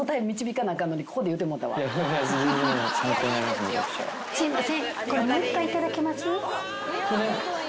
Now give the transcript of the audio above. すいません。